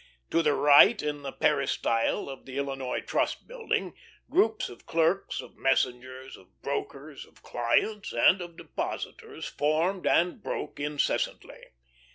To the right, in the peristyle of the Illinois Trust Building, groups of clerks, of messengers, of brokers, of clients, and of depositors formed and broke incessantly.